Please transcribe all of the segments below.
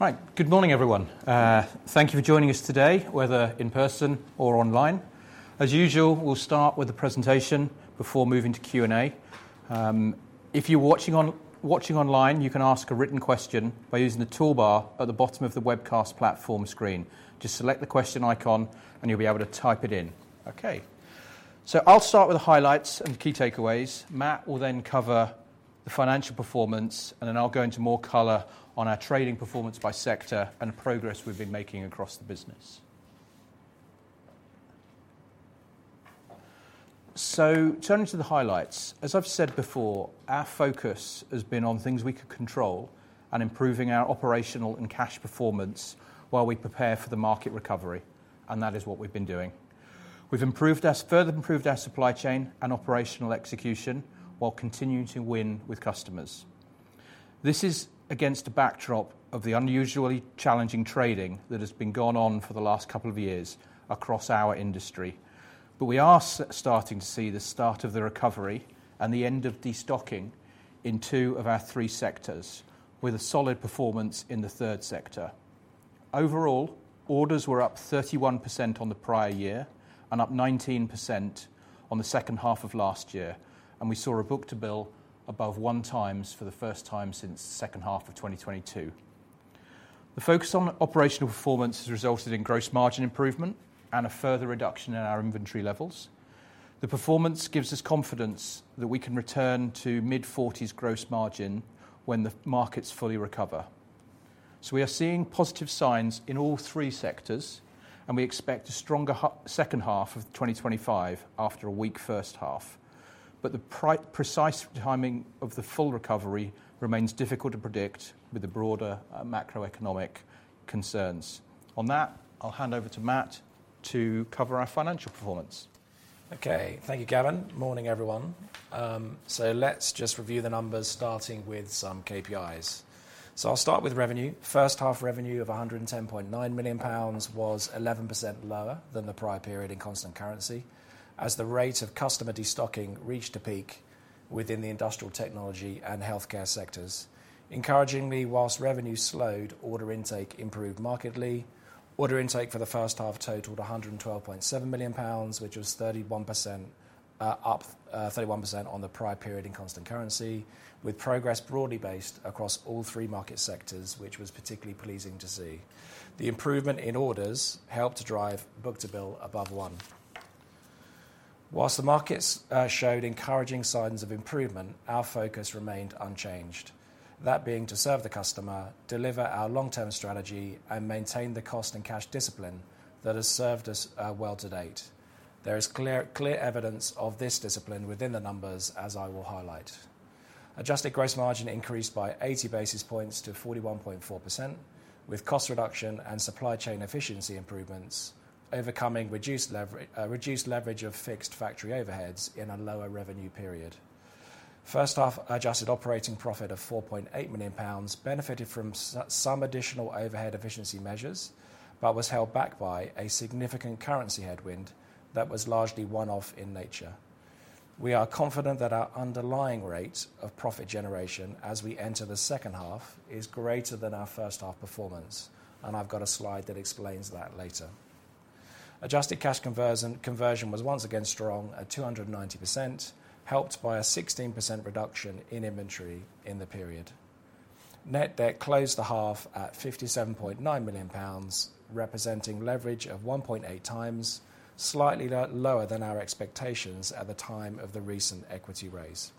Right. Good morning, everyone. Thank you for joining us today, whether in person or online. As usual, we'll start with a presentation before moving to Q&A. If you're watching online, you can ask a written question by using the toolbar at the bottom of the webcast platform screen. Just select the question icon, and you'll be able to type it in. Okay. I'll start with the highlights and the key takeaways. Matt will then cover the financial performance, and then I'll go into more color on our trading performance by sector and the progress we've been making across the business. Turning to the highlights, as I've said before, our focus has been on things we could control and improving our operational and cash performance while we prepare for the market recovery. That is what we've been doing. We've further improved our supply chain and operational execution while continuing to win with customers. This is against the backdrop of the unusually challenging trading that has been going on for the last couple of years across our industry. We are starting to see the start of the recovery and the end of destocking in two of our three sectors, with a solid performance in the third sector. Overall, orders were up 31% on the prior year and up 19% on the second half of last year. We saw a book-to-bill above one times for the first time since the second half of 2022. The focus on operational performance has resulted in gross margin improvement and a further reduction in our inventory levels. The performance gives us confidence that we can return to mid-40s gross margin when the markets fully recover. We are seeing positive signs in all three sectors, and we expect a stronger second half of 2025 after a weak first half. The precise timing of the full recovery remains difficult to predict with the broader macroeconomic concerns. On that, I'll hand over to Matt to cover our financial performance. Okay. Thank you, Gavin. Morning, everyone. Let's just review the numbers, starting with some KPIs. I'll start with revenue. First half revenue of 110.9 million pounds was 11% lower than the prior period in constant currency as the rate of customer destocking reached a peak within the industrial technology and healthcare sectors. Encouragingly, whilst revenue slowed, order intake improved markedly. Order intake for the first half totaled 112.7 million pounds, which was up 31% on the prior period in constant currency, with progress broadly based across all three market sectors, which was particularly pleasing to see. The improvement in orders helped to drive book-to-bill above one. Whilst the markets showed encouraging signs of improvement, our focus remained unchanged, that being to serve the customer, deliver our long-term strategy, and maintain the cost and cash discipline that has served us well to date. There is clear evidence of this discipline within the numbers, as I will highlight. Adjusted gross margin increased by 80 basis points to 41.4%, with cost reduction and supply chain efficiency improvements overcoming reduced leverage of fixed factory overheads in a lower revenue period. First half adjusted operating profit of 4.8 million pounds benefited from some additional overhead efficiency measures, but was held back by a significant currency headwind that was largely one-off in nature. We are confident that our underlying rate of profit generation as we enter the second half is greater than our first half performance. I've got a slide that explains that later. Adjusted cash conversion was once again strong at 290%, helped by a 16% reduction in inventory in the period. Net debt closed the half at GBP 57.9 million, representing leverage of 1.8x, slightly lower than our expectations at the time of the recent equity raise.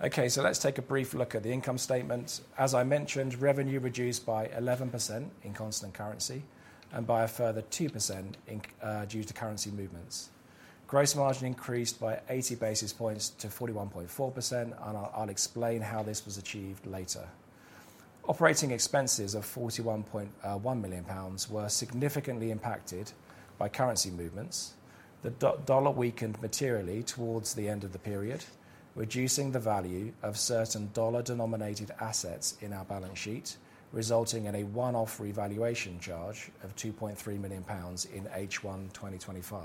Let's take a brief look at the income statements. As I mentioned, revenue reduced by 11% in constant currency and by a further 2% due to currency movements. Gross margin increased by 80 basis points to 41.4%, and I'll explain how this was achieved later. Operating expenses of 41.1 million pounds were significantly impacted by currency movements. The dollar weakened materially towards the end of the period, reducing the value of certain dollar-denominated assets in our balance sheet, resulting in a one-off revaluation charge of 2.3 million pounds in H1 2025.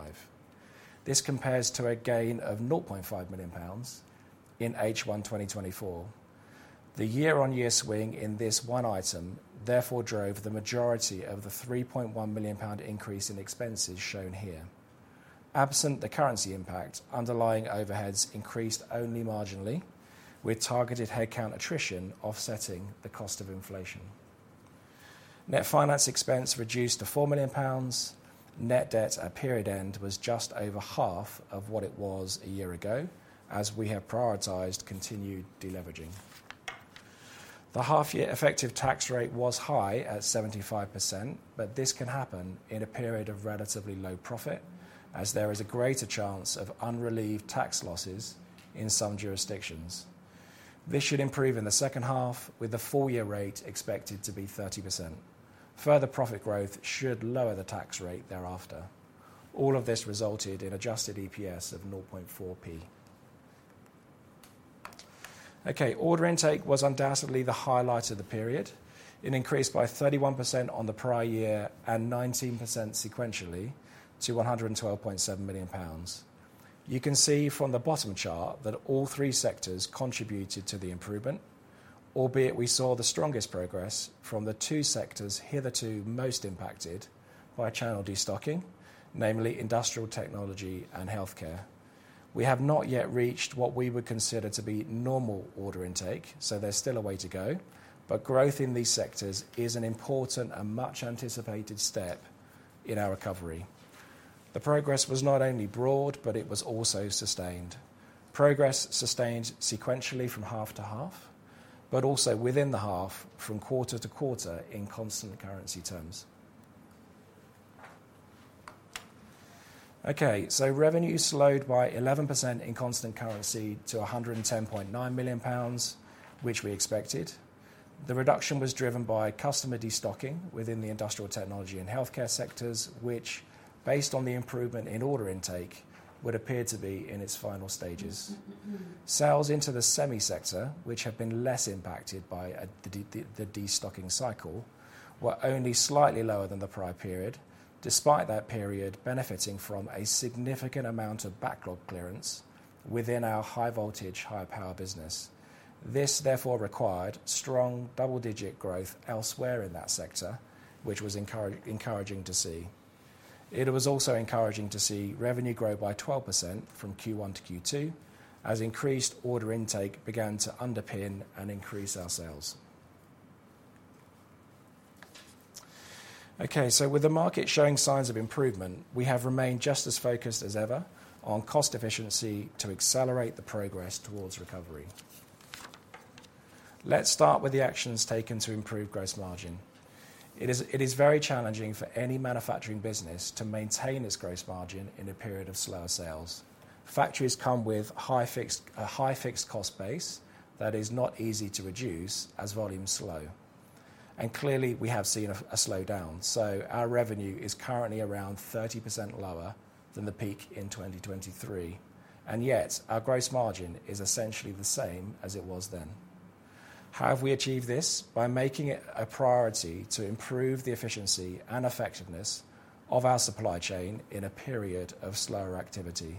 This compares to a gain of 0.5 million pounds in H1 2024. The year-on-year swing in this one item therefore drove the majority of the 3.1 million pound increase in expenses shown here. Absent the currency impact, underlying overheads increased only marginally, with targeted headcount attrition offsetting the cost of inflation. Net finance expense reduced to 4 million pounds. Net debt at period end was just over half of what it was a year ago, as we have prioritized continued deleveraging. The half-year effective tax rate was high at 75%, but this can happen in a period of relatively low profit, as there is a greater chance of unrelieved tax losses in some jurisdictions. This should improve in the second half, with the full-year rate expected to be 30%. Further profit growth should lower the tax rate thereafter. All of this resulted in adjusted EPS of 0.004. Okay, order intake was undoubtedly the highlight of the period. It increased by 31% on the prior year and 19% sequentially to 112.7 million pounds. You can see from the bottom chart that all three sectors contributed to the improvement, albeit we saw the strongest progress from the two sectors hitherto most impacted by channel destocking, namely industrial technology and healthcare. We have not yet reached what we would consider to be normal order intake, so there's still a way to go, but growth in these sectors is an important and much anticipated step in our recovery. The progress was not only broad, but it was also sustained. Progress sustained sequentially from half to half, but also within the half from quarter to quarter in constant currency terms. Okay, so revenue slowed by 11% in constant currency to 110.9 million pounds, which we expected. The reduction was driven by customer destocking within the industrial technology and healthcare sectors, which, based on the improvement in order intake, would appear to be in its final stages. Sales into the semi-sector, which have been less impacted by the destocking cycle, were only slightly lower than the prior period, despite that period benefiting from a significant amount of backlog clearance within our high voltage, high power business. This therefore required strong double-digit growth elsewhere in that sector, which was encouraging to see. It was also encouraging to see revenue grow by 12% from Q1 to Q2, as increased order intake began to underpin and increase our sales. Okay, so with the market showing signs of improvement, we have remained just as focused as ever on cost efficiency to accelerate the progress towards recovery. Let's start with the actions taken to improve gross margin. It is very challenging for any manufacturing business to maintain its gross margin in a period of slow sales. Factories come with a high fixed cost base that is not easy to reduce as volumes slow. Clearly, we have seen a slowdown. Our revenue is currently around 30% lower than the peak in 2023, and yet our gross margin is essentially the same as it was then. How have we achieved this? By making it a priority to improve the efficiency and effectiveness of our supply chain in a period of slower activity.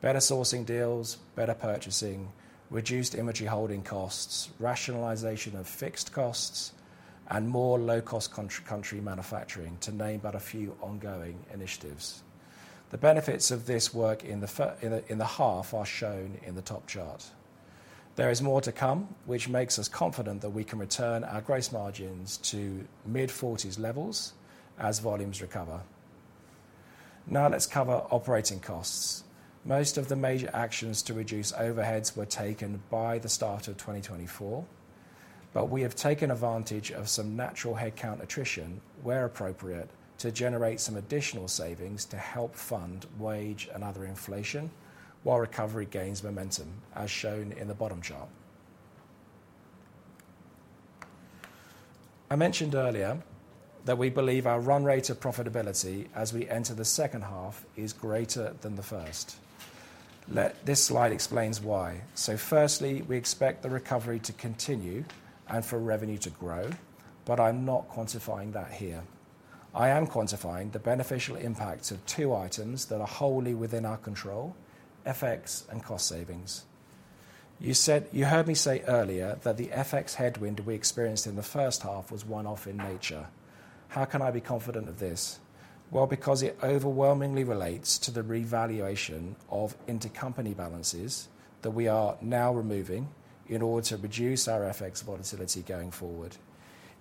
Better sourcing deals, better purchasing, reduced inventory holding costs, rationalization of fixed costs, and more low-cost country manufacturing, to name but a few ongoing initiatives. The benefits of this work in the half are shown in the top chart. There is more to come, which makes us confident that we can return our gross margins to mid-40s levels as volumes recover. Now let's cover operating costs. Most of the major actions to reduce overheads were taken by the start of 2024, but we have taken advantage of some natural headcount attrition where appropriate to generate some additional savings to help fund wage and other inflation while recovery gains momentum, as shown in the bottom chart. I mentioned earlier that we believe our run rate of profitability as we enter the second half is greater than the first. This slide explains why. Firstly, we expect the recovery to continue and for revenue to grow, but I'm not quantifying that here. I am quantifying the beneficial impacts of two items that are wholly within our control: FX and cost savings. You heard me say earlier that the FX headwind we experienced in the first half was one-off in nature. How can I be confident of this? It overwhelmingly relates to the revaluation of intercompany balances that we are now removing in order to reduce our FX volatility going forward.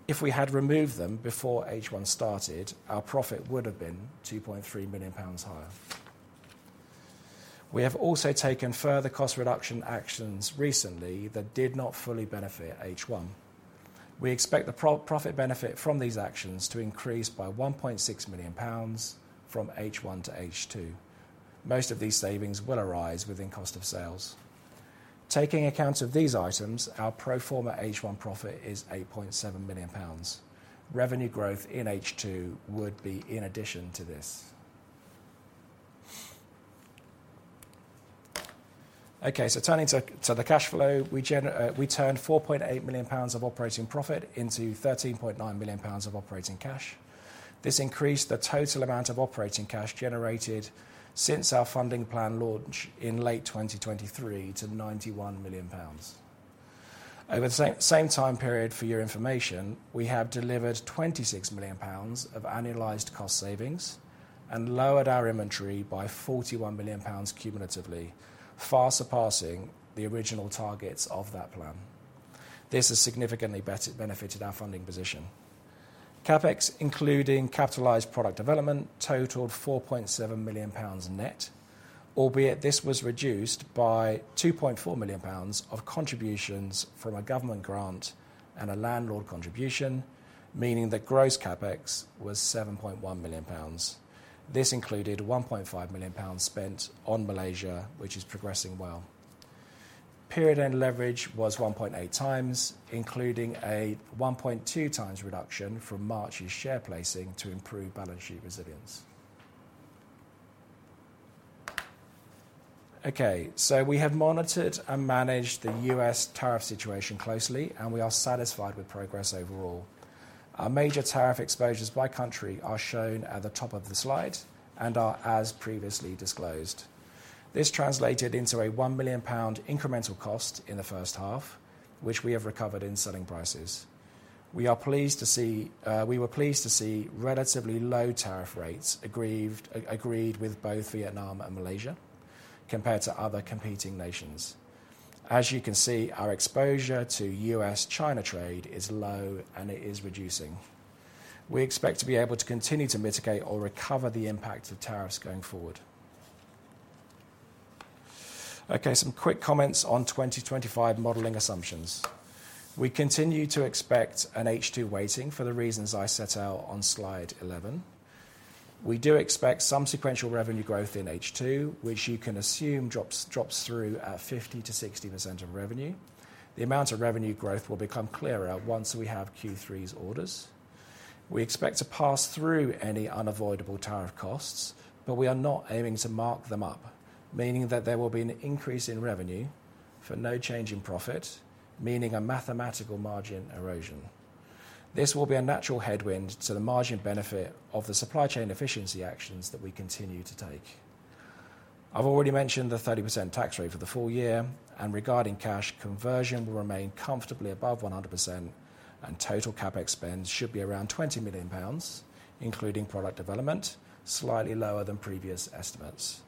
If we had removed them before H1 started, our profit would have been 2.3 million pounds higher. We have also taken further cost reduction actions recently that did not fully benefit H1. We expect the profit benefit from these actions to increase by 1.6 million pounds from H1 to H2. Most of these savings will arise within cost of sales. Taking account of these items, our pro forma H1 profit is 8.7 million pounds. Revenue growth in H2 would be in addition to this. Okay, so turning to the cash flow, we turned 4.8 million pounds of operating profit into 13.9 million pounds of operating cash. This increased the total amount of operating cash generated since our funding plan launch in late 2023 to 91 million pounds. Over the same time period, for your information, we have delivered 26 million pounds of annualized cost savings and lowered our inventory by 41 million pounds cumulatively, far surpassing the original targets of that plan. This has significantly benefited our funding position. CapEx, including capitalized product development, totaled 4.7 million pounds net, albeit this was reduced by 2.4 million pounds of contributions from a government grant and a landlord contribution, meaning that gross CapEx was 7.1 million pounds. This included 1.5 million pounds spent on Malaysia, which is progressing well. Period end leverage was 1.8x, including a 1.2x reduction from March's share placing to improve balance sheet resilience. We have monitored and managed the U.S. tariff situation closely, and we are satisfied with progress overall. Our major tariff exposures by country are shown at the top of the slide and are as previously disclosed. This translated into a 1 million pound incremental cost in the first half, which we have recovered in selling prices. We are pleased to see relatively low tariff rates agreed with both Vietnam and Malaysia compared to other competing nations. As you can see, our exposure to U.S.-China trade is low, and it is reducing. We expect to be able to continue to mitigate or recover the impact of tariffs going forward. Some quick comments on 2025 modeling assumptions. We continue to expect an H2 weighting for the reasons I set out on slide 11. We do expect some sequential revenue growth in H2, which you can assume drops through at 50%-60% of revenue. The amount of revenue growth will become clearer once we have Q3's orders. We expect to pass through any unavoidable tariff costs, but we are not aiming to mark them up, meaning that there will be an increase in revenue for no change in profit, meaning a mathematical margin erosion. This will be a natural headwind to the margin benefit of the supply chain efficiency actions that we continue to take. I've already mentioned the 30% tax rate for the full year, and regarding cash, conversion will remain comfortably above 100%, and total CapEx spends should be around 20 million pounds, including product development, slightly lower than previous estimates.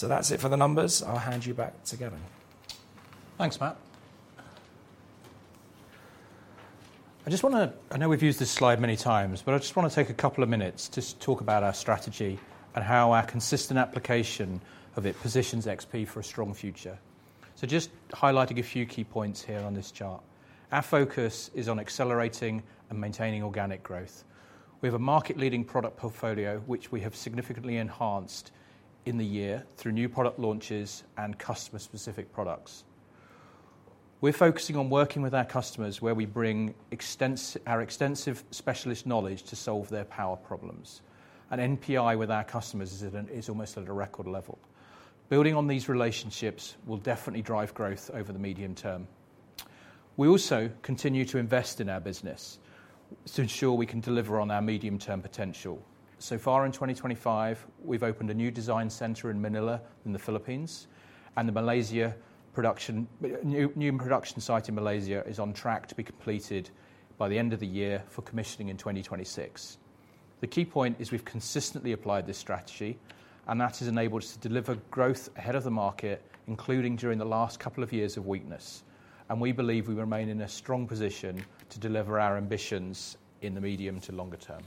That's it for the numbers. I'll hand you back to Gavin. Thanks, Matt. I just want to, I know we've used this slide many times, but I just want to take a couple of minutes to talk about our strategy and how our consistent application of it positions XP for a strong future. Just highlighting a few key points here on this chart. Our focus is on accelerating and maintaining organic growth. We have a market-leading product portfolio, which we have significantly enhanced in the year through new product launches and customer-specific products. We're focusing on working with our customers where we bring our extensive specialist knowledge to solve their power problems. An NPI with our customers is almost at a record level. Building on these relationships will definitely drive growth over the medium term. We also continue to invest in our business to ensure we can deliver on our medium-term potential. So far in 2025, we've opened a new design center in Manila in the Philippines, and the new production site in Malaysia is on track to be completed by the end of the year for commissioning in 2026. The key point is we've consistently applied this strategy, and that has enabled us to deliver growth ahead of the market, including during the last couple of years of weakness. We believe we remain in a strong position to deliver our ambitions in the medium to longer term.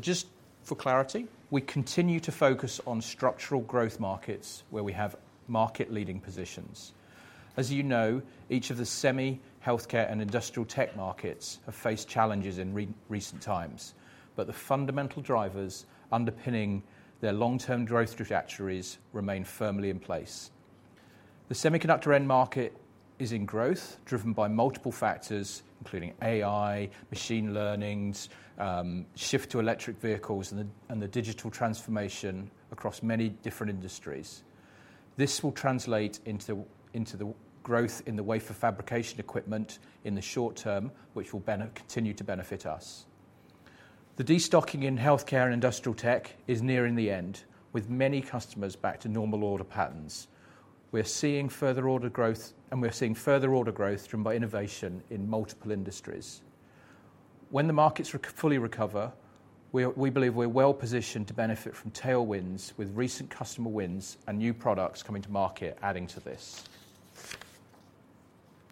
Just for clarity, we continue to focus on structural growth markets where we have market-leading positions. As you know, each of the semi, healthcare, and industrial tech markets have faced challenges in recent times, but the fundamental drivers underpinning their long-term growth trajectories remain firmly in place. The semiconductor end market is in growth, driven by multiple factors, including AI, machine learning, the shift to electric vehicles, and the digital transformation across many different industries. This will translate into the growth in the wafer fabrication equipment in the short term, which will continue to benefit us. The destocking in healthcare and industrial tech is nearing the end, with many customers back to normal order patterns. We're seeing further order growth, and we're seeing further order growth driven by innovation in multiple industries. When the markets fully recover, we believe we're well positioned to benefit from tailwinds with recent customer wins and new products coming to market adding to this.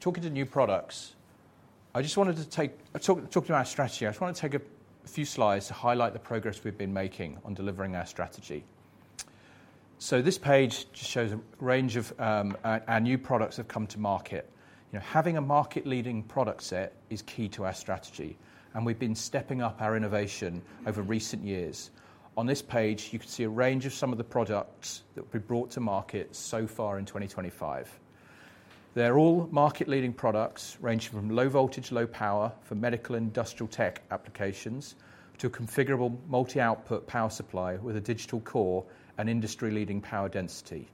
Talking to new products, I just wanted to take, talking about our strategy, I just want to take a few slides to highlight the progress we've been making on delivering our strategy. This page just shows a range of our new products that have come to market. You know, having a market-leading product set is key to our strategy, and we've been stepping up our innovation over recent years. On this page, you can see a range of some of the products that will be brought to market so far in 2025. They're all market-leading products ranging from low voltage, low power for medical and industrial tech applications to a configurable multi-output power supply with a digital core and industry-leading power density.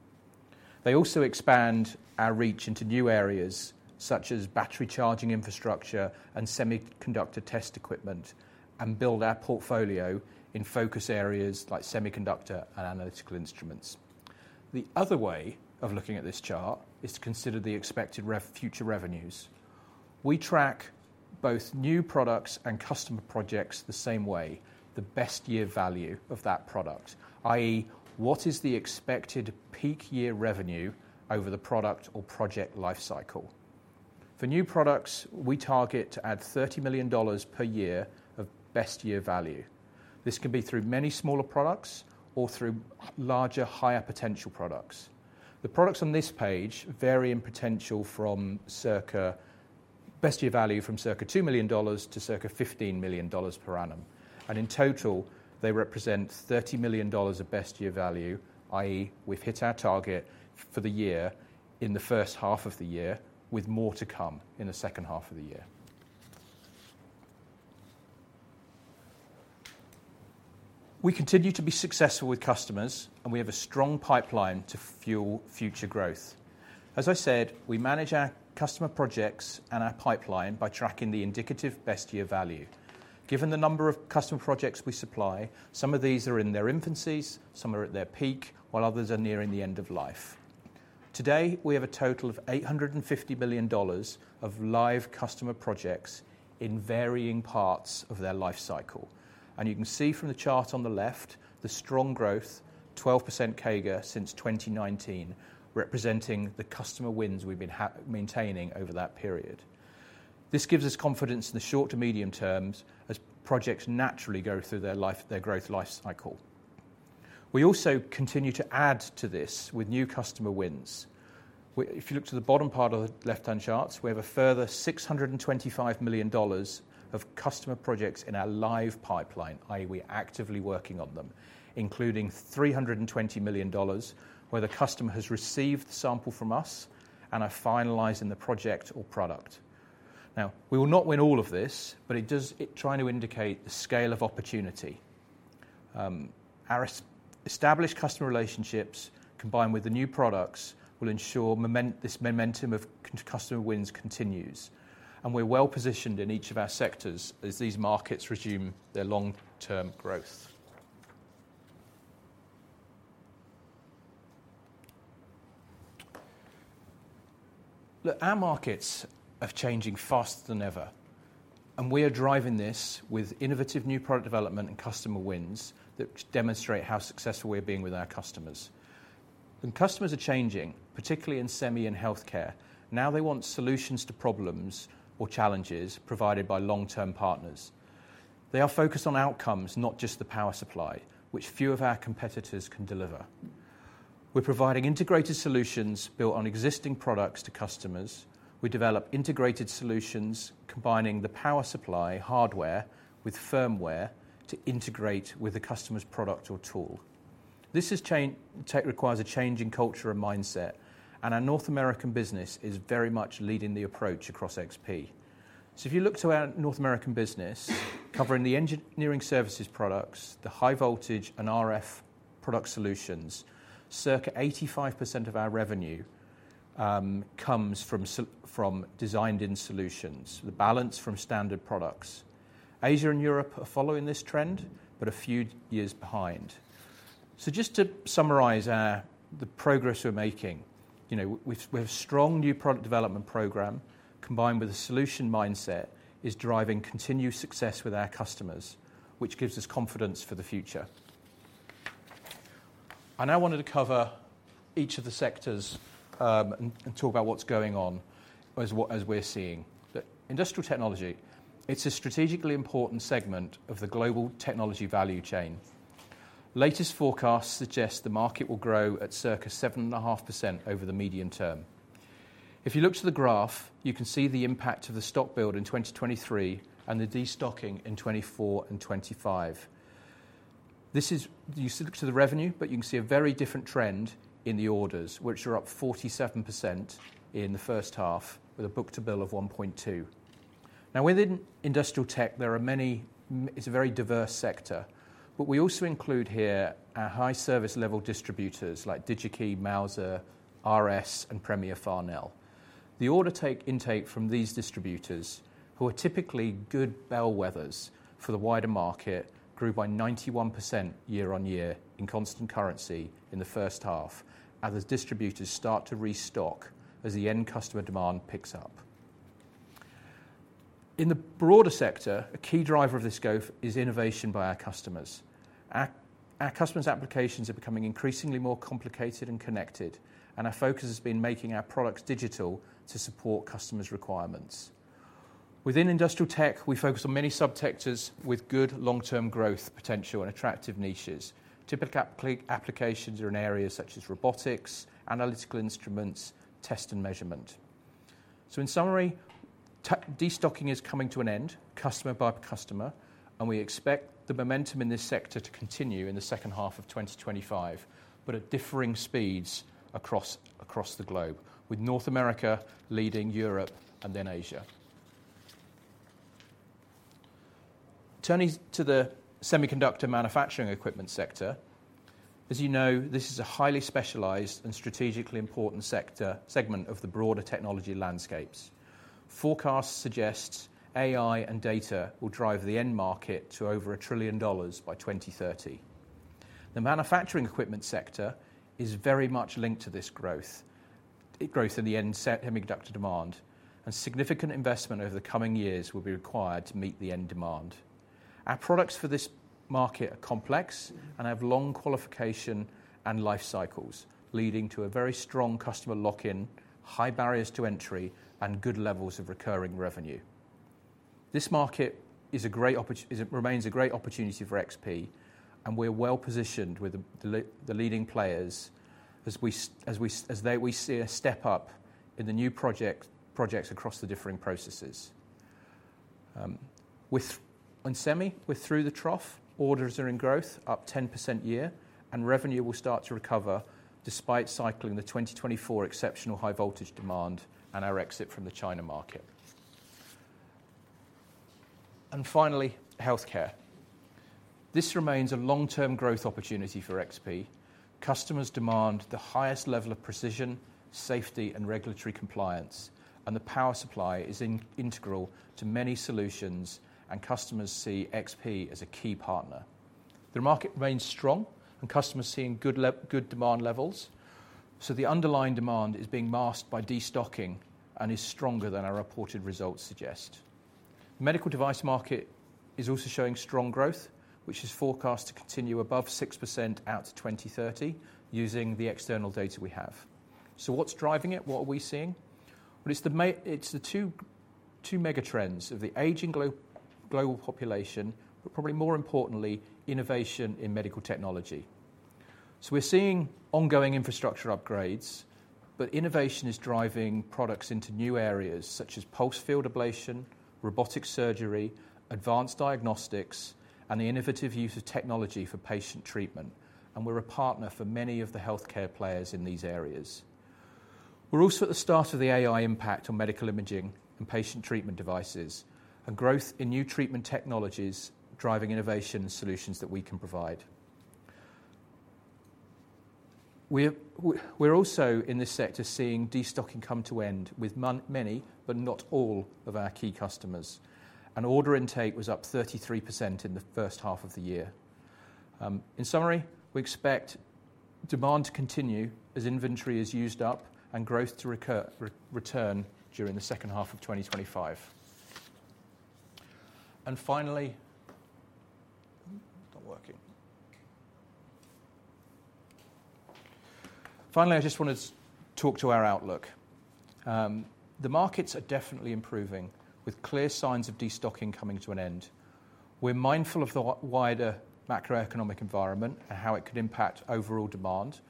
They also expand our reach into new areas such as battery charging infrastructure and semiconductor test equipment and build our portfolio in focus areas like semiconductor and analytical instruments. The other way of looking at this chart is to consider the expected future revenues. We track both new products and customer projects the same way: the best year value of that product, i.e., what is the expected peak year revenue over the product or project lifecycle? For new products, we target to add $30 million per year of best year value. This can be through many smaller products or through larger, higher potential products. The products on this page vary in potential from circa best year value from circa $2 million-circa $15 million per annum. In total, they represent $30 million of best year value, i.e., we've hit our target for the year in the first half of the year, with more to come in the second half of the year. We continue to be successful with customers, and we have a strong pipeline to fuel future growth. As I said, we manage our customer projects and our pipeline by tracking the indicative best year value. Given the number of customer projects we supply, some of these are in their infancies, some are at their peak, while others are nearing the end of life. Today, we have a total of $850 million of live customer projects in varying parts of their lifecycle. You can see from the chart on the left, the strong growth, 12% CAGR since 2019, representing the customer wins we've been maintaining over that period. This gives us confidence in the short to medium terms as projects naturally go through their growth lifecycle. We also continue to add to this with new customer wins. If you look to the bottom part of the left-hand charts, we have a further $625 million of customer projects in our live pipeline, i.e., we're actively working on them, including $320 million where the customer has received a sample from us and are finalizing the project or product. We will not win all of this, but it does try to indicate the scale of opportunity. Our established customer relationships combined with the new products will ensure this momentum of customer wins continues. We're well positioned in each of our sectors as these markets resume their long-term growth. Our markets are changing faster than ever, and we are driving this with innovative new product development and customer wins that demonstrate how successful we're being with our customers. Customers are changing, particularly in semi and healthcare. Now they want solutions to problems or challenges provided by long-term partners. They are focused on outcomes, not just the power supply, which few of our competitors can deliver. We're providing integrated solutions built on existing products to customers. We develop integrated solutions, combining the power supply hardware with firmware to integrate with the customer's product or tool. This requires a change in culture and mindset, and our North American business is very much leading the approach across XP Power. If you look to our North American business, covering the engineering services products, the high voltage, and RF power solutions, circa 85% of our revenue comes from designed-in solutions, the balance from standard products. Asia and Europe are following this trend, but a few years behind. Just to summarize the progress we're making, we have a strong new product development program combined with a solution mindset that is driving continued success with our customers, which gives us confidence for the future. I now wanted to cover each of the sectors and talk about what's going on as we're seeing. Industrial technology, it's a strategically important segment of the global technology value chain. Latest forecasts suggest the market will grow at circa 7.5% over the medium term. If you look to the graph, you can see the impact of the stock build in 2023 and the destocking in 2024 and 2025. You look to the revenue, but you can see a very different trend in the orders, which are up 47% in the first half with a book-to-bill of 1.2. Now, within industrial tech, there are many, it's a very diverse sector, but we also include here our high service level distributors like DigiKey, Mouser, RS, and Premier Farnell. The order intake from these distributors, who are typically good bellwethers for the wider market, grew by 91% year-on-year in constant currency in the first half, as distributors start to restock as the end customer demand picks up. In the broader sector, a key driver of this growth is innovation by our customers. Our customers' applications are becoming increasingly more complicated and connected, and our focus has been making our products digital to support customers' requirements. Within industrial tech, we focus on many sub-sectors with good long-term growth potential and attractive niches. Typical applications are in areas such as robotics, analytical instruments, test and measurement. In summary, destocking is coming to an end, customer by customer, and we expect the momentum in this sector to continue in the second half of 2025, but at differing speeds across the globe, with North America leading Europe and then Asia. Turning to the semiconductor manufacturing equipment sector, as you know, this is a highly specialized and strategically important segment of the broader technology landscapes. Forecasts suggest AI and data will drive the end market to over $1 trillion by 2030. The manufacturing equipment sector is very much linked to this growth. It grows in the end semiconductor demand, and significant investment over the coming years will be required to meet the end demand. Our products for this market are complex and have long qualification and life cycles, leading to a very strong customer lock-in, high barriers to entry, and good levels of recurring revenue. This market remains a great opportunity for XP Power, and we're well positioned with the leading players as we see a step up in the new projects across the differing processes. With semi, we're through the trough, orders are in growth, up 10% year, and revenue will start to recover despite cycling the 2024 exceptional high voltage demand and our exit from the China market. Finally, healthcare. This remains a long-term growth opportunity for XP Power. Customers demand the highest level of precision, safety, and regulatory compliance, and the power supply is integral to many solutions, and customers see XP as a key partner. The market remains strong, and customers see good demand levels, so the underlying demand is being masked by destocking and is stronger than our reported results suggest. The medical device market is also showing strong growth, which is forecast to continue above 6% out to 2030 using the external data we have. What's driving it? What are we seeing? It's the two mega trends of the aging global population, but probably more importantly, innovation in medical technology. We're seeing ongoing infrastructure upgrades, but innovation is driving products into new areas such as pulsed field ablation, robotic surgery, advanced diagnostics, and the innovative use of technology for patient treatment. We're a partner for many of the healthcare players in these areas. We're also at the start of the AI impact on medical imaging and patient treatment devices, and growth in new treatment technologies driving innovation solutions that we can provide. We're also in this sector seeing destocking come to an end with many, but not all of our key customers. Order intake was up 33% in the first half of the year. In summary, we expect demand to continue as inventory is used up and growth to return during the second half of 2025. Finally, I just wanted to talk to our outlook. The markets are definitely improving with clear signs of destocking coming to an end. We're mindful of the wider macroeconomic environment and how it could impact overall demand,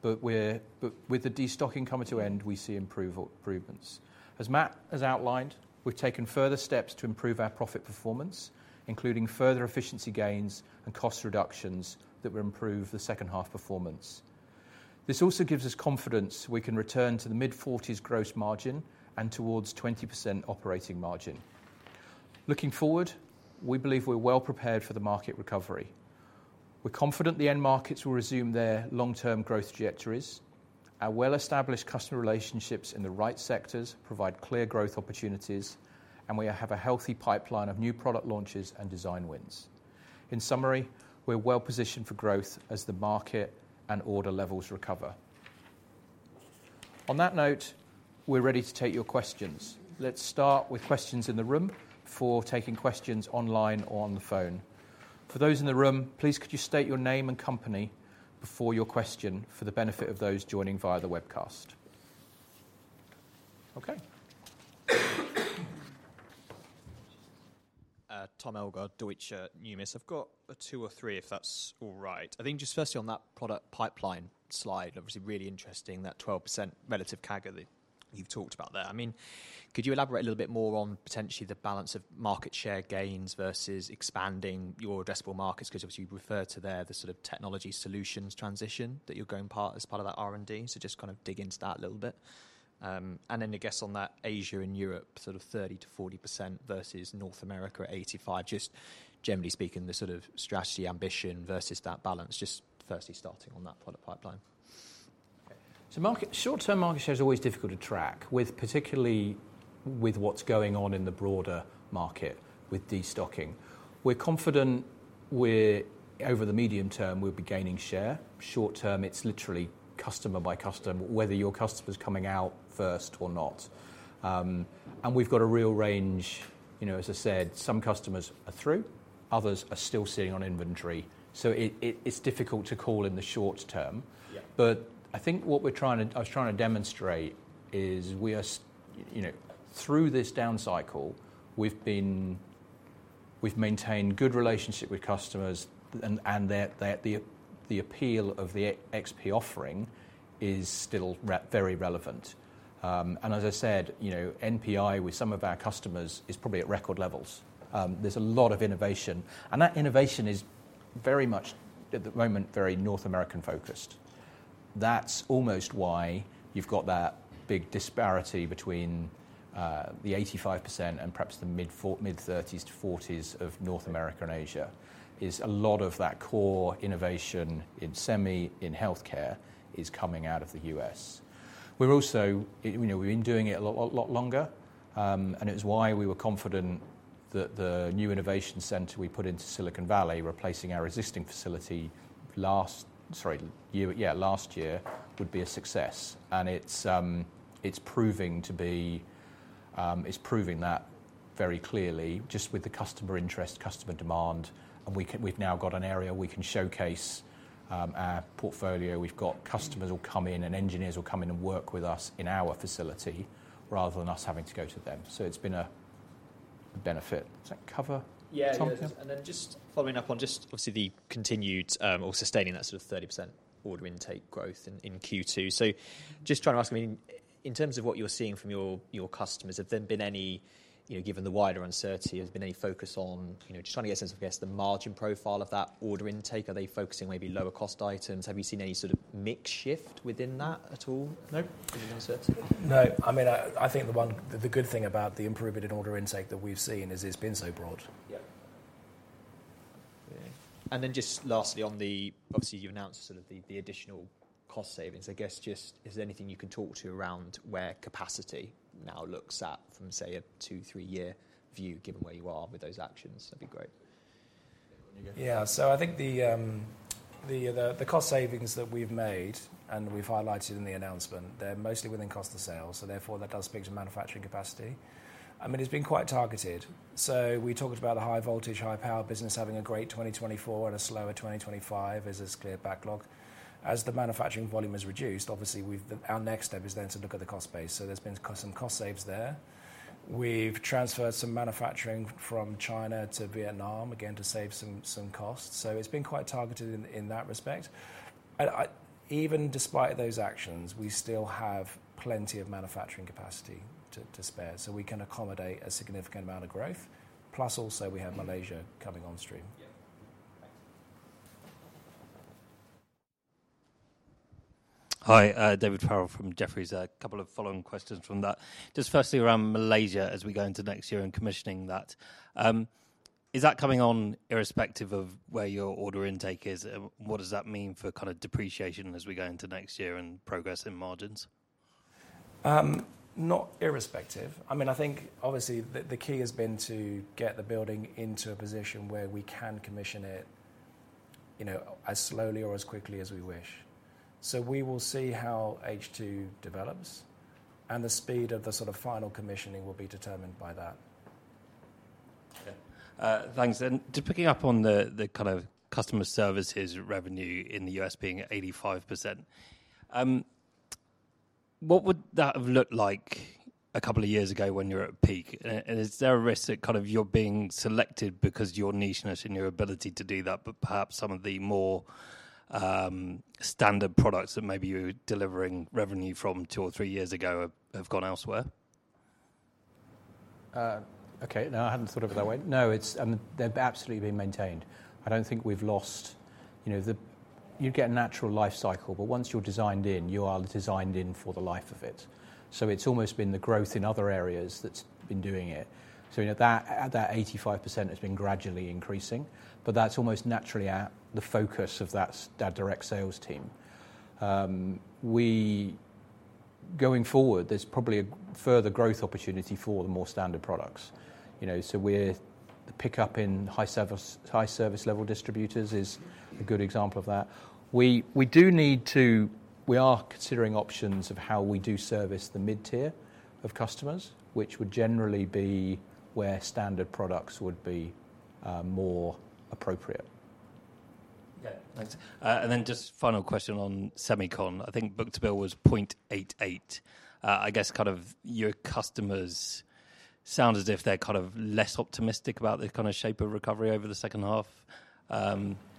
but with the destocking coming to an end, we see improvements. As Matt has outlined, we've taken further steps to improve our profit performance, including further efficiency gains and cost reductions that will improve the second half performance. This also gives us confidence we can return to the mid-40s gross margin and towards 20% operating margin. Looking forward, we believe we're well prepared for the market recovery. We're confident the end markets will resume their long-term growth trajectories. Our well-established customer relationships in the right sectors provide clear growth opportunities, and we have a healthy pipeline of new product launches and design wins. In summary, we're well positioned for growth as the market and order levels recover. On that note, we're ready to take your questions. Let's start with questions in the room before taking questions online or on the phone. For those in the room, please could you state your name and company before your question for the benefit of those joining via the webcast? Okay. Tom Elgar, Deutsche Numis. I've got two or three if that's all right. I think just firstly on that product pipeline slide, obviously really interesting, that 12% relative CAGR that you've talked about there. Could you elaborate a little bit more on potentially the balance of market share gains versus expanding your addressable markets? Because obviously you refer to the sort of technology solutions transition that you're going through as part of that R&D. Just kind of dig into that a little bit. I guess on that Asia and Europe sort of 30%-40% versus North America at 85%. Generally speaking, the sort of strategy ambition versus that balance, just firstly starting on that product pipeline. Short-term market share is always difficult to track, particularly with what's going on in the broader market with destocking. We're confident over the medium term we'll be gaining share. Short-term, it's literally customer by customer whether your customer's coming out first or not. We've got a real range. As I said, some customers are through, others are still sitting on inventory. It's difficult to call in the short term. What we're trying to demonstrate is we are, through this down cycle, we've maintained good relationships with customers and that the appeal of the XP offering is still very relevant. As I said, NPI with some of our customers is probably at record levels. There's a lot of innovation, and that innovation is very much at the moment very North American focused. That's almost why you've got that big disparity between the 85% and perhaps the mid-30s to 40% of North America and Asia. A lot of that core innovation in semi in healthcare is coming out of the U.S. We've also been doing it a lot longer, and it was why we were confident that the new innovation center we put into Silicon Valley, replacing our existing facility last year, would be a success. It's proving to be, it's proving that very clearly just with the customer interest, customer demand, and we've now got an area we can showcase our portfolio. We've got customers who'll come in and engineers will come in and work with us in our facility rather than us having to go to them. It's been a benefit. Does that cover? Yeah, just following up on obviously the continued or sustaining that sort of 30% order intake growth in Q2. Just trying to ask, in terms of what you're seeing from your customers, have there been any, you know, given the wider uncertainty, has there been any focus on just trying to get a sense of, I guess, the margin profile of that order intake? Are they focusing on maybe lower cost items? Have you seen any sort of mix shift within that at all? I think the one good thing about the improvised order intake that we've seen is it's been so broad. Lastly, obviously, you announced the additional cost savings. Is there anything you can talk to around where capacity now looks at from, say, a two, three-year view given where you are with those actions? That'd be great. Yeah, so I think the cost savings that we've made and we've highlighted in the announcement, they're mostly within cost of sale, so therefore that does speak to manufacturing capacity. It's been quite targeted. We talked about the high voltage, high power business having a great 2024 and a slower 2025 as a clear backlog. As the manufacturing volume is reduced, obviously our next step is then to look at the cost base. There's been some cost saves there. We've transferred some manufacturing from China to Vietnam again to save some costs. It's been quite targeted in that respect. Even despite those actions, we still have plenty of manufacturing capacity to spare, so we can accommodate a significant amount of growth. Plus also we have Malaysia coming on stream. Hi, David Farrell from Jefferies. A couple of following questions from that. Just firstly around Malaysia as we go into next year and commissioning that. Is that coming on irrespective of where your order intake is? What does that mean for kind of depreciation as we go into next year and progress in margins? I mean, I think obviously the key has been to get the building into a position where we can commission it, you know, as slowly or as quickly as we wish. We will see how H2 develops and the speed of the sort of final commissioning will be determined by that. Thanks. Picking up on the kind of customer services revenue in the U.S. being 85%, what would that have looked like a couple of years ago when you were at peak? Is there a risk that you're being selected because of your niche and your ability to do that, but perhaps some of the more standard products that maybe you were delivering revenue from two or three years ago have gone elsewhere? Okay, now I hadn't thought of it that way. No, they've absolutely been maintained. I don't think we've lost, you know, you get a natural life cycle, but once you're designed in, you are designed in for the life of it. It's almost been the growth in other areas that's been doing it. You know that at that 85% has been gradually increasing, but that's almost naturally at the focus of that direct sales team. Going forward, there's probably a further growth opportunity for the more standard products. The pickup in high service level distributors is a good example of that. We do need to, we are considering options of how we do service the mid-tier of customers, which would generally be where standard products would be more appropriate. Okay, thanks. Just final question on semicon. I think book-to-bill was 0.88. I guess your customers sound as if they're kind of less optimistic about the shape of recovery over the second half.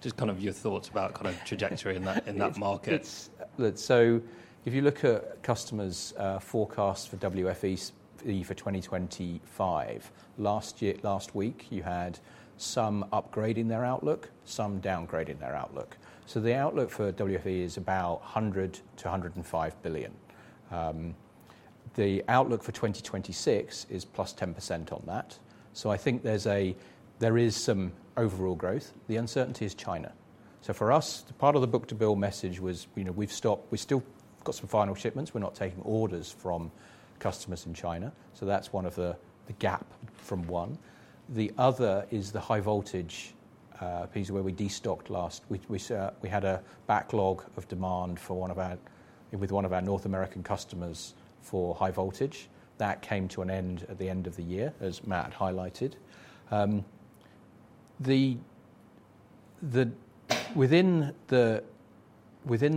Just your thoughts about trajectory in that market. Good. If you look at customers' forecasts for WFE for 2025, last week you had some upgrade in their outlook, some downgrade in their outlook. The outlook for WFE is about $100 billion-$105 billion. The outlook for 2026 is +10% on that. I think there is some overall growth. The uncertainty is China. For us, part of the book-to-bill message was, you know, we've stopped, we've still got some final shipments. We're not taking orders from customers in China. That's one of the gaps from one. The other is the high voltage piece where we destocked last. We had a backlog of demand with one of our North American customers for high voltage. That came to an end at the end of the year, as Matt highlighted. Within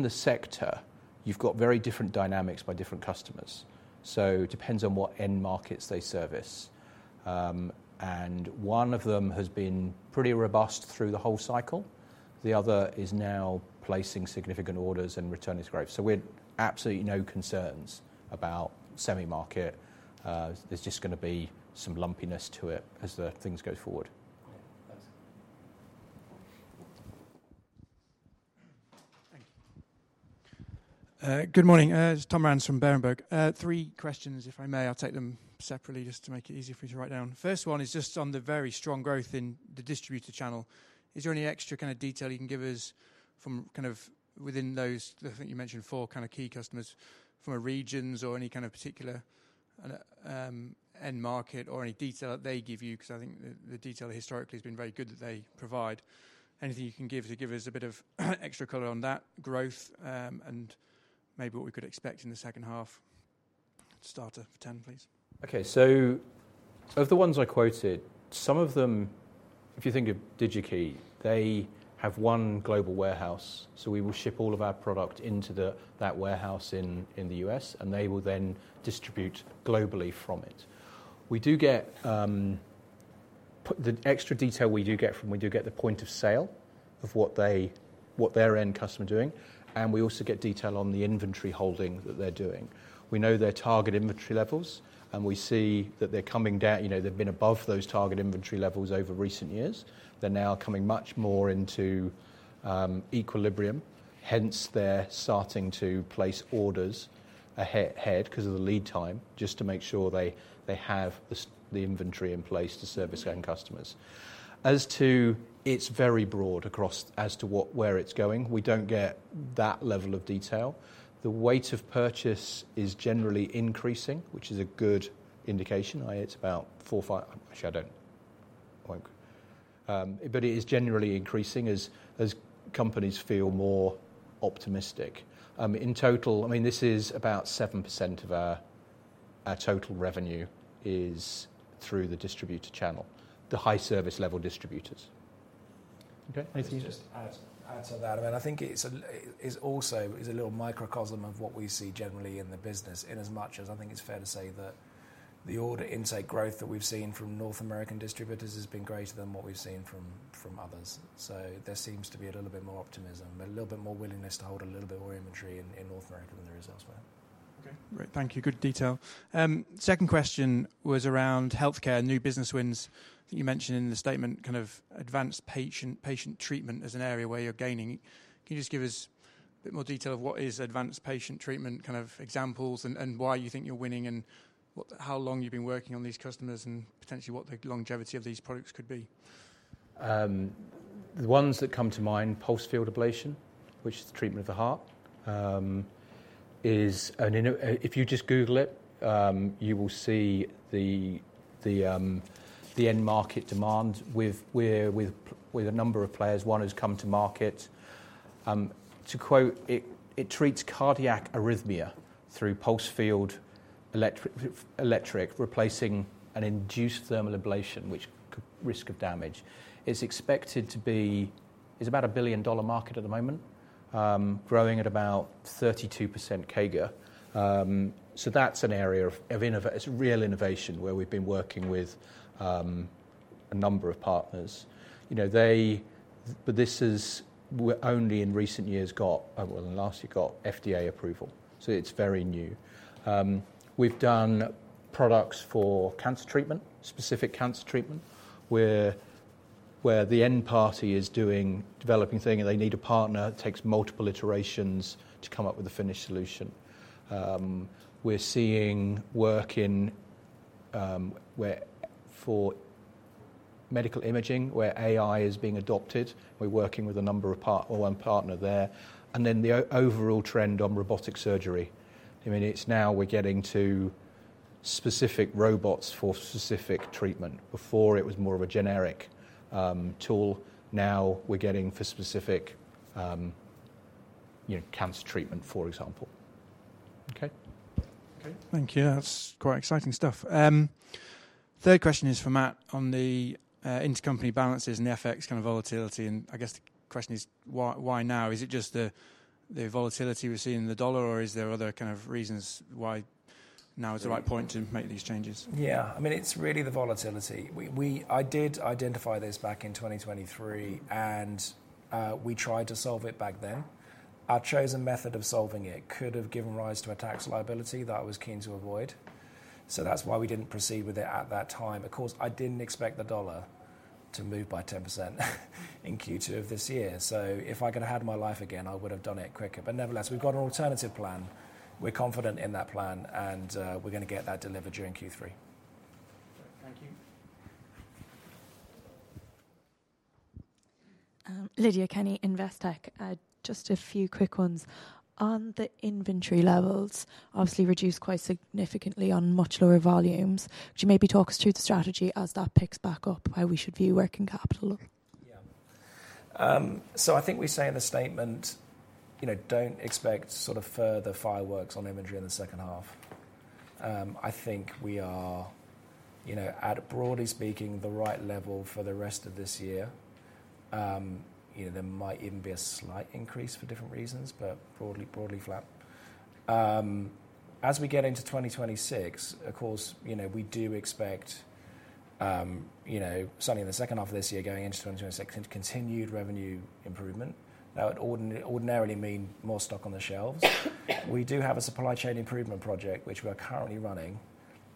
the sector, you've got very different dynamics by different customers. It depends on what end markets they service. One of them has been pretty robust through the whole cycle. The other is now placing significant orders and returning to growth. We're absolutely no concerns about semi-market. There's just going to be some lumpiness to it as things go forward. Good morning. Tom Rands from Berenberg. Three questions, if I may. I'll take them separately just to make it easier for you to write down. First one is just on the very strong growth in the distributor channel. Is there any extra kind of detail you can give us from kind of within those, I think you mentioned four kind of key customers from a region or any kind of particular end market or any detail that they give you? Because I think the detail historically has been very good that they provide. Anything you can give to give us a bit of extra color on that growth and maybe what we could expect in the second half? Start at 10, please. Okay, of the ones I quoted, some of them, if you think of DigiKey, they have one global warehouse. We will ship all of our product into that warehouse in the U.S., and they will then distribute globally from it. We do get the extra detail we do get from, we do get the point of sale of what their end customer is doing, and we also get detail on the inventory holding that they're doing. We know their target inventory levels, and we see that they're coming down. They've been above those target inventory levels over recent years. They're now coming much more into equilibrium, hence they're starting to place orders ahead because of the lead time, just to make sure they have the inventory in place to service end customers. As to, it's very broad across as to where it's going. We don't get that level of detail. The weight of purchase is generally increasing, which is a good indication. I think it's about four or five, actually I don't, but it is generally increasing as companies feel more optimistic. In total, this is about 7% of our total revenue is through the distributor channel, the high service level distributors. Okay, thanks for you. Just to add to that, I think it also is a little microcosm of what we see generally in the business, in as much as I think it's fair to say that the order intake growth that we've seen from North American distributors has been greater than what we've seen from others. There seems to be a little bit more optimism, a little bit more willingness to hold a little bit more inventory in North America than there is elsewhere. Okay, great. Thank you. Good detail. Second question was around healthcare and new business wins. I think you mentioned in the statement kind of advanced patient treatment as an area where you're gaining. Can you just give us a bit more detail of what is advanced patient treatment, kind of examples, and why you think you're winning, and how long you've been working on these customers, and potentially what the longevity of these products could be? The ones that come to mind, pulsed field ablation, which is the treatment of the heart, is, if you just Google it, you will see the end market demand with a number of players. One has come to market. To quote, it treats cardiac arrhythmia through pulse field electric, replacing an induced thermal ablation, which could risk of damage. It's expected to be, it's about a $1 billion market at the moment, growing at about 32% CAGR. That's an area of real innovation where we've been working with a number of partners. This is, we're only in recent years got, well, in last year got FDA approval. It's very new. We've done products for cancer treatment, specific cancer treatment, where the end party is doing developing things, and they need a partner. It takes multiple iterations to come up with a finished solution. We're seeing work in, for medical imaging, where AI is being adopted. We're working with a number of partners there. The overall trend on robotic surgery, I mean, it's now we're getting to specific robots for specific treatment. Before, it was more of a generic tool. Now we're getting for specific cancer treatment, for example. Okay, thank you. That's quite exciting stuff. Third question is for Matt on the intercompany balances and the FX kind of volatility. I guess the question is, why now? Is it just the volatility we're seeing in the dollar, or is there other kind of reasons why now is the right point to make these changes? Yeah, I mean, it's really the volatility. I did identify this back in 2023, and we tried to solve it back then. Our chosen method of solving it could have given rise to a tax liability that I was keen to avoid. That's why we didn't proceed with it at that time. Of course, I didn't expect the dollar to move by 10% in Q2 of this year. If I could have had my life again, I would have done it quicker. Nevertheless, we've got an alternative plan. We're confident in that plan, and we're going to get that delivered during Q3. Thank you. Lydia Kenny, Investec, just a few quick ones. On the inventory levels, obviously reduced quite significantly on much lower volumes. Could you maybe talk us through the strategy as that picks back up where we should be working capital? Yeah. I think we say in the statement, you know, don't expect sort of further fireworks on inventory in the second half. I think we are, you know, at a broadly speaking, the right level for the rest of this year. There might even be a slight increase for different reasons, but broadly, broadly flat. As we get into 2026, of course, you know, we do expect, you know, certainly in the second half of this year, going into 2026, continued revenue improvement. It would ordinarily mean more stock on the shelves. We do have a supply chain improvement project, which we're currently running,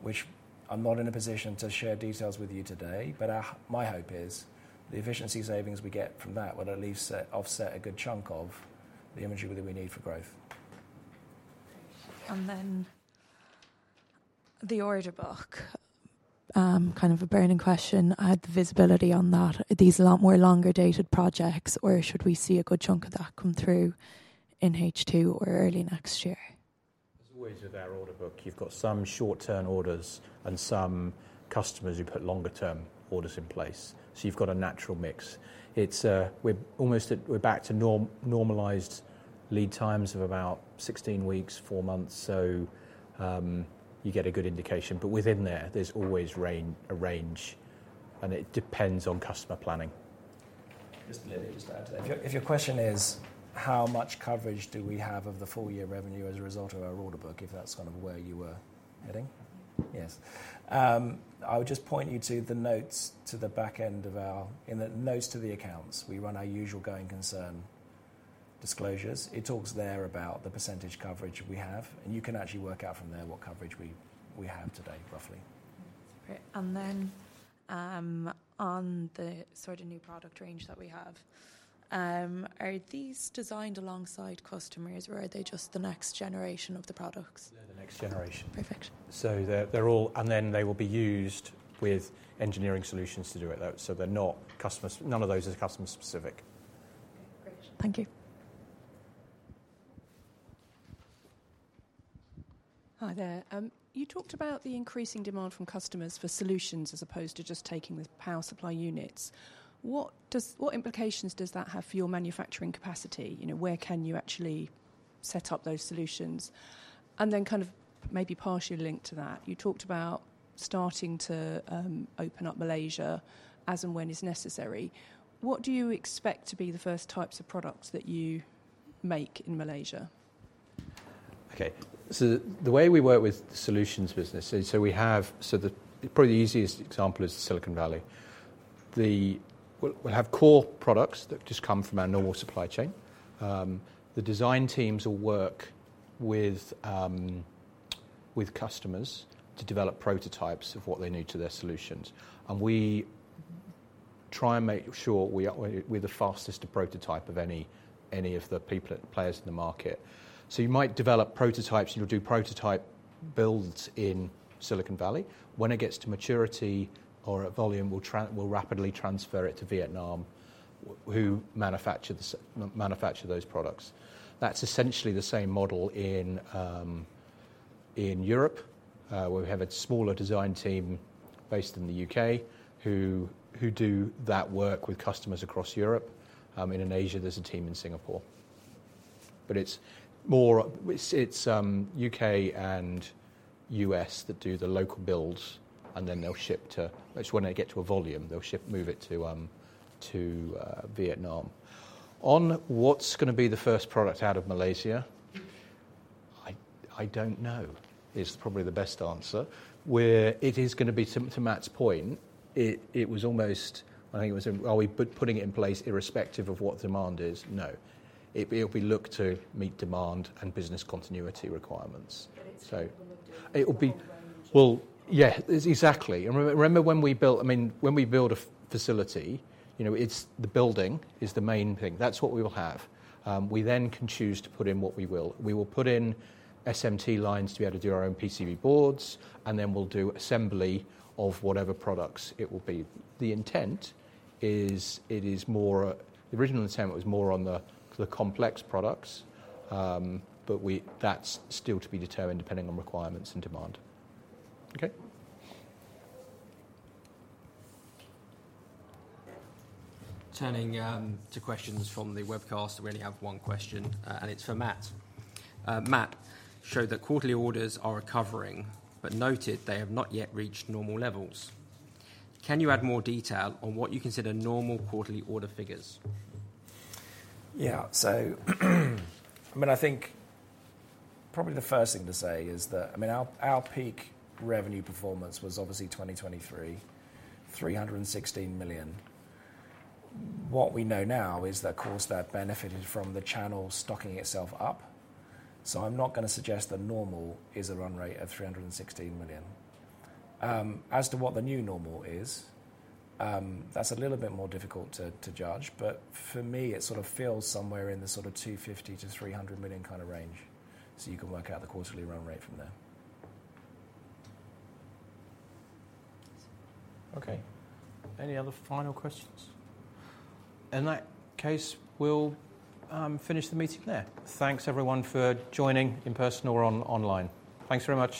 which I'm not in a position to share details with you today, but my hope is the efficiency savings we get from that will at least offset a good chunk of the inventory that we need for growth. The order book is kind of a burning question. I had the visibility on that. Are these a lot more longer dated projects, or should we see a good chunk of that come through in H2 or early next year? As always, with our order book, you've got some short-term orders and some customers who put longer-term orders in place. You have a natural mix. We're almost, we're back to normalized lead times of about 16 weeks, four months. You get a good indication, but within there, there's always a range, and it depends on customer planning. Let me just add to that. If your question is how much coverage do we have of the full year revenue as a result of our order book, if that's kind of where you were heading, yes. I would just point you to the notes to the back end of our, in the notes to the accounts, we run our usual going concern disclosures. It talks there about the percentage coverage we have, and you can actually work out from there what coverage we have today, roughly. That's great. On the sort of new product range that we have, are these designed alongside customers, or are they just the next generation of the products? They're the next generation. Perfect. They will be used with engineering solutions to do it though. They're not customers, none of those are customer specific. Great, thank you. Hi there. You talked about the increasing demand from customers for solutions as opposed to just taking the power supply units. What implications does that have for your manufacturing capacity? Where can you actually set up those solutions? You talked about starting to open up Malaysia as and when it's necessary. What do you expect to be the first types of products that you make in Malaysia? Okay, the way we work with the solutions business, the probably the easiest example is Silicon Valley. We'll have core products that just come from our normal supply chain. The design teams will work with customers to develop prototypes of what they need to their solutions. We try and make sure we're the fastest to prototype of any of the players in the market. You might develop prototypes, you'll do prototype builds in Silicon Valley. When it gets to maturity or at volume, we'll rapidly transfer it to Vietnam, who manufacture those products. That's essentially the same model in Europe, where we have a smaller design team based in the U.K. who do that work with customers across Europe. In Asia, there's a team in Singapore. It's U.K. and U.S. that do the local builds, and then when they get to a volume, they'll move it to Vietnam. On what's going to be the first product out of Malaysia, I don't know is probably the best answer. Where it is going to be, to Matt's point, it was almost, I think it was, are we putting it in place irrespective of what demand is? No, it'll be looked to meet demand and business continuity requirements. Exactly. Remember when we built, I mean, when we build a facility, it's the building that is the main thing. That's what we will have. We then can choose to put in what we will. We will put in SMT lines to be able to do our own PCB boards, and then we'll do assembly of whatever products it will be. The intent is it is more, the original intent was more on the complex products, but that's still to be determined depending on requirements and demand. Okay. Turning to questions from the webcast, we only have one question, and it's for Matt. Matt showed that quarterly orders are recovering, but noted they have not yet reached normal levels. Can you add more detail on what you consider normal quarterly order figures? Yeah, I think probably the first thing to say is that our peak revenue performance was obviously 2023, $316 million. What we know now is that, of course, they've benefited from the channel stocking itself up. I'm not going to suggest the normal is a run rate of $316 million. As to what the new normal is, that's a little bit more difficult to judge, but for me, it sort of feels somewhere in the $250 million-$300 million kind of range. You can work out the quarterly run rate from there. Okay, any other final questions? In that case, we'll finish the meeting there. Thanks everyone for joining in person or online. Thanks very much.